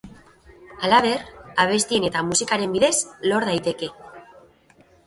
Halaber, abestien eta musikaren bidez lor daiteke.